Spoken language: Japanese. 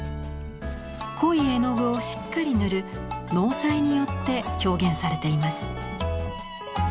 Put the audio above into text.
濃い絵の具をしっかり塗る「濃彩」によって表現されています。